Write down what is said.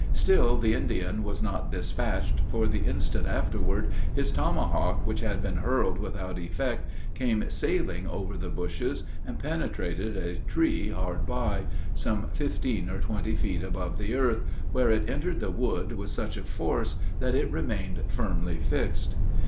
Still the Indian was not dispatched, for the instant afterward his tomahawk, which had been hurled without effect, came sailing over the bushes, and penetrated a tree hard by, some fifteen or twenty feet above the earth, where it entered the wood with such a force that it remained firmly fixed.